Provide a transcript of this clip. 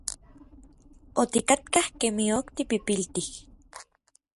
Otikatkaj kemij ok tipipiltij.